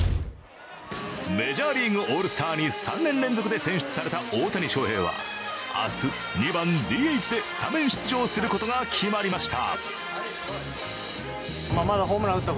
メジャーリーグオールスターに３年連続で選出された大谷翔平は明日、２番・ＤＨでスタメン出場することが決まりました。